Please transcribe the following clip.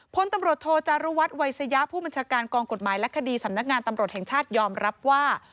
พลตำรวจโทจารุวัฒน์วัยสยะผู้บัญชาการกองกฎหมายและคดีสำนักงานตำรวจแห่งชาติยอมรับว่า